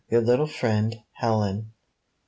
"Your little friend, "Helen."